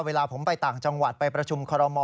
เวลาผมไปต่างจังหวัดไปประชุมคอรมอ